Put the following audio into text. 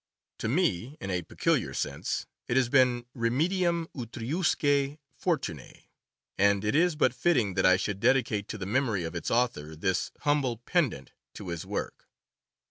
To me, in a peculiar sense, it has been remedium utriusque jortunoe; and it is but fitting that I should dedicate to the memory of its author this humble pendant to his work.